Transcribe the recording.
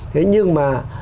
thế nhưng mà